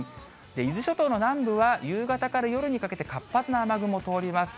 伊豆諸島の南部は、夕方から夜にかけて、活発な雨雲通ります。